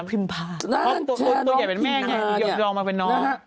ตัวใหญ่เป็นแม่ไงยอมมาเป็นน้อง